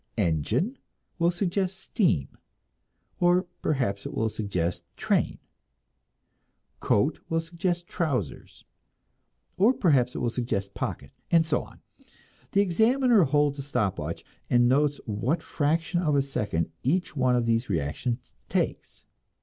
"Engine" will suggest "steam," or perhaps it will suggest "train"; "coat" will suggest "trousers," or perhaps it will suggest "pocket," and so on. The examiner holds a stop watch, and notes what fraction of a second each one of these reactions takes.